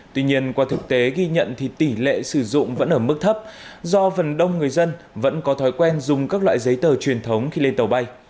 tuy nhiên qua thực tế ghi nhận thì tỷ lệ sử dụng vẫn ở mức thấp do phần đông người dân vẫn có thói quen dùng các loại giấy tờ truyền thống khi lên tàu bay